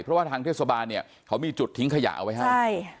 เพราะว่าทางเทศบาลเนี่ยเขามีจุดทิ้งขยะเอาไว้ให้ใช่